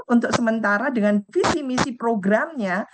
untuk sementara dengan visi misi programnya